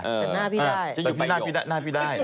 แต่หน้าพี่ได้